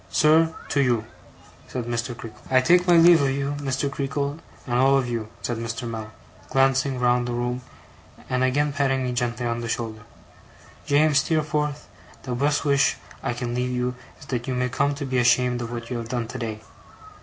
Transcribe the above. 'Sir, to you!' said Mr. Creakle. 'I take my leave of you, Mr. Creakle, and all of you,' said Mr. Mell, glancing round the room, and again patting me gently on the shoulders. 'James Steerforth, the best wish I can leave you is that you may come to be ashamed of what you have done today.